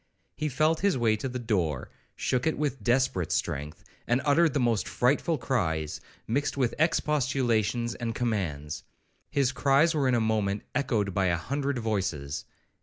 He felt his way to the door, shook it with desperate strength, and uttered the most frightful cries, mixed with expostulations and commands. His cries were in a moment echoed by a hundred voices.